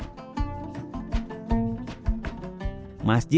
masjid ini juga dianggap sebagai tempat yang sangat menarik untuk menjaga kemampuan masjid